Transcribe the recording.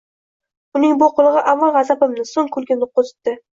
uning bu qilig’i avval g’azabimni, so’ng kulgimni qo’zitdi.